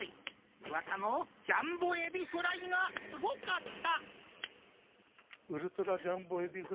うわさのジャンボえびフライがすごかった。